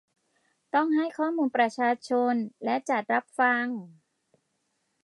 ต้องให้ข้อมูลประชาชนและจัดรับฟัง